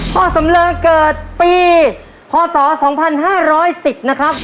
สำเริงเกิดปีพศ๒๕๑๐นะครับ